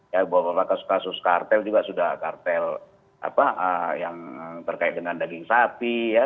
ya beberapa kasus kasus kartel juga sudah kartel apa yang terkait dengan daging sapi ya